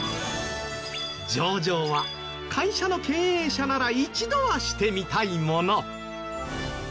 上場は会社の経営者なら一度はしてみたいもの。